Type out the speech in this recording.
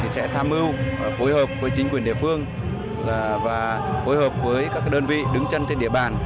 sẽ tham mưu phối hợp với chính quyền địa phương và phối hợp với các đơn vị đứng chân trên địa bàn